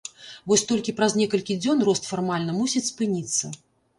Вось толькі праз некалькі дзён рост фармальна мусіць спыніцца.